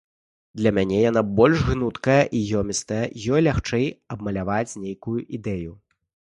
Для мяне яна больш гнуткая і ёмістая, ёй лягчэй абмаляваць нейкую ідэю.